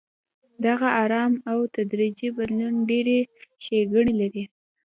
دغه ارام او تدریجي بدلون ډېرې ښېګڼې لري.